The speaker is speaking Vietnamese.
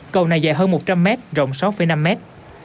cầu này dài hơn một trăm linh mét rộng sáu năm mét